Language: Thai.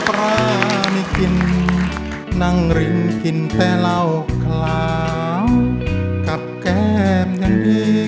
โปรดติดตามตอนต่อไป